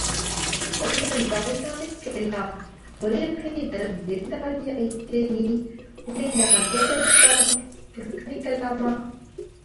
ஒருவன் வாழ்நாளுக் கெல்லாம் ஒரே முறை வரும் விருந்தாளி யாயிற்றே நீ, உன்னை நான் உபசரியாமற் புறக் கணிக்கலாமா?